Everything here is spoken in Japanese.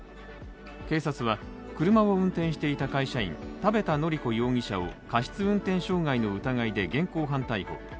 警察は、車を運転していた会社員、多部田賀子容疑者を過失運転傷害の疑いで現行犯逮捕。